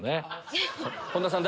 本田さん